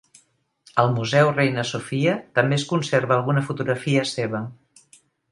Al Museu Reina Sofia també es conserva alguna fotografia seva.